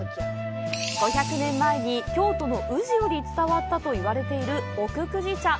５００年前に、京都の宇治より伝わったと言われている「奥久慈茶」。